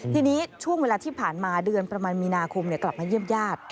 ทีนี้ช่วงเวลาที่ผ่านมาเดือนประมาณมีนาคมกลับมาเยี่ยมญาติ